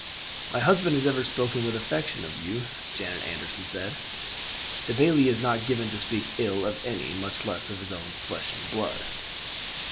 "My husband has ever spoken with affection of you," Janet Anderson said. "The bailie is not given to speak ill of any, much less of his own flesh and blood."